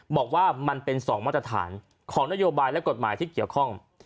บอกว่ามันเป็น๒มาตรฐานของนโยบายและกฎหมายที่เกี่ยวข้อง